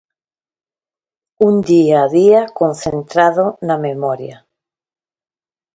Un día a día concentrado na memoria.